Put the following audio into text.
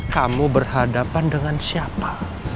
kamu berhadapan dengan siapa